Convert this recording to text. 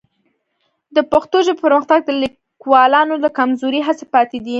د پښتو ژبې پرمختګ د لیکوالانو له کمزورې هڅې پاتې دی.